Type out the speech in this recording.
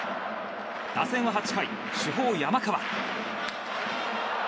打線は８回、主砲・山川。